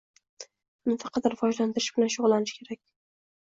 Uni faqat rivojlantirish bilan shug‘ullanish kerak.